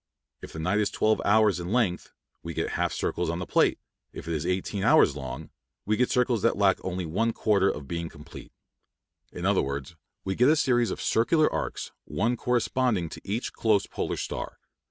If the night is twelve hours in length, we get half circles on the plate; if it is eighteen hours long, we get circles that lack only one quarter of being complete. In other words, we get a series of circular arcs, one corresponding to each close polar star.